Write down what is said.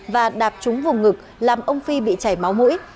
và đạp trúng vùng ngực làm ông phi bị chảy máu mũi